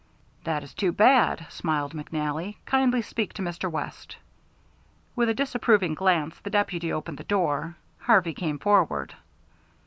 "That is too bad," smiled McNally. "Kindly speak to Mr. West." With a disapproving glance the deputy opened the door. Harvey came forward.